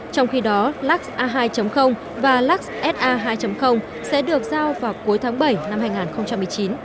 trong khi đó lux a hai và lux sa hai sẽ được giao vào cuối tháng bảy năm hai nghìn một mươi chín